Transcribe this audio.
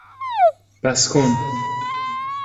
بس کن!